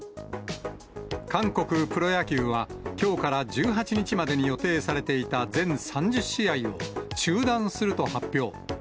韓国プロ野球は、きょうから１８日までに予定されていた全３０試合を、中断すると発表。